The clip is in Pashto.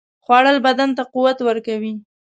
خوړل بدن ته قوت ورکوي